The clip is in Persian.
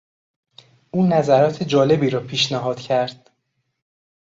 او نظرات جالبی را پیشنهاد کرد.